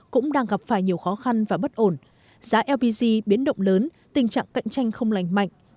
cũng đang gặp phải nhiều khó khăn và bất ổn giá lpg biến động lớn tình trạng cạnh tranh không lành mạnh